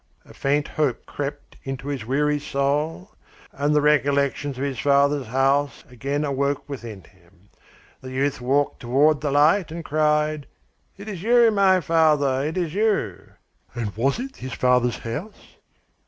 A faint hope crept into his weary soul, and the recollections of his father's house again awoke within him. The youth walked toward the light, and cried: 'It is you, my father, it is you!' "And was it his father's house?"